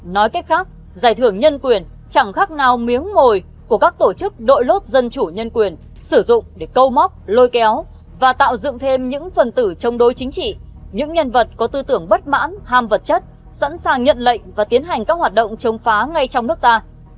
nói cách khác giải thưởng nhân quyền chẳng khác nào miếng mồi của các tổ chức đội lốt dân chủ nhân quyền sử dụng để câu móc lôi kéo và tạo dựng thêm những phần tử chống đối chính trị những nhân vật có tư tưởng bất mãn ham vật chất sẵn sàng nhận lệnh và tiến hành các hoạt động chống phá ngay trong nước ta